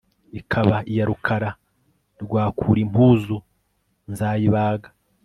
Ikaba iya rukara rwa Kurimpuzu nzayibaga